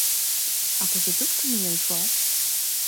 — А кузе тушко миен шуаш?